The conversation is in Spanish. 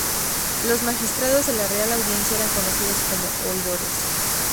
Los Magistrados de la Real Audiencia, eran conocidos como Oidores.